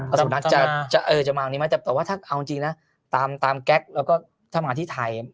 สุนัขจะมาวันนี้ไหมแต่ว่าถ้าเอาจริงนะตามแก๊กแล้วก็ถ้ามาที่ไทย